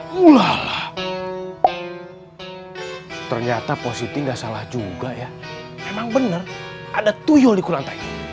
mulalah ternyata positi enggak salah juga ya memang bener ada tuyul di kurang